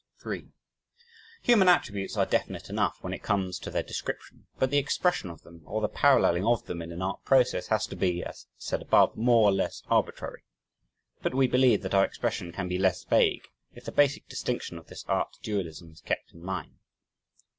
3 Human attributes are definite enough when it comes to their description, but the expression of them, or the paralleling of them in an art process, has to be, as said above, more or less arbitrary, but we believe that their expression can be less vague if the basic distinction of this art dualism is kept in mind.